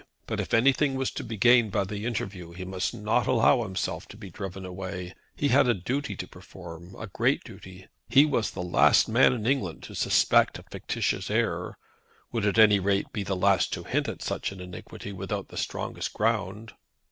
But if anything was to be gained by the interview he must not allow himself to be driven away. He had a duty to perform, a great duty. He was the last man in England to suspect a fictitious heir, would at any rate be the last to hint at such an iniquity without the strongest ground.